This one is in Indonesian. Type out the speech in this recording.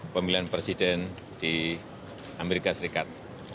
pemilihan presiden di amerika serikat